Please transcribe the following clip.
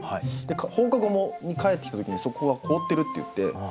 放課後に帰ってきた時にそこが凍ってるっていって。